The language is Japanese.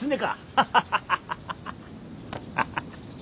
ハハハハ。